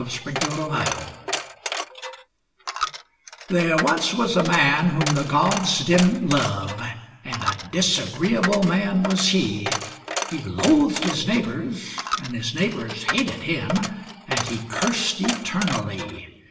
A Tale of Starvation There once was a man whom the gods didn't love, And a disagreeable man was he. He loathed his neighbours, and his neighbours hated him, And he cursed eternally.